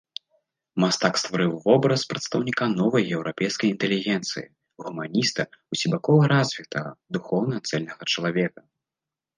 Мастак стварыў вобраз прадстаўніка новай еўрапейскай інтэлігенцыі, гуманіста, усебакова развітага, духоўна цэльнага чалавека.